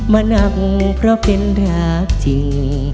มาหนักเพราะเป็นรักจริง